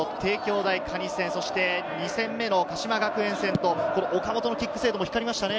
大可児戦、そして２戦目の鹿島学園戦と岡本のキック精度、光りましたね。